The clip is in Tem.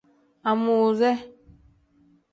Amuuze.